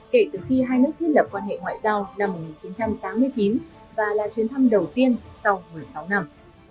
kể từ khi hai nước thiết lập quan hệ ngoại giao năm một nghìn chín trăm tám mươi chín và là chuyến thăm đầu tiên sau một mươi sáu năm